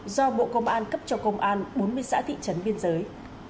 do bộ công an cấp cho công an bốn mươi xã thị trấn biên giới